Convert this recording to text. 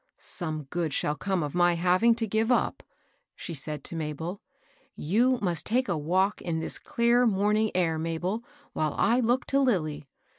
" Some good shall come of my having to give up," she said to Mabel. ^^ You must take a walk in this dear morning air, Mabel, while I look to Lilly.